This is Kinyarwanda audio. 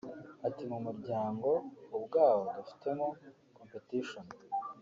Ati “Mu muryango ubwawo dufitemo competition